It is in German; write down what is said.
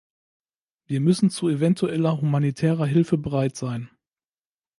Wir müssen zu eventueller humanitärer Hilfe bereit sein.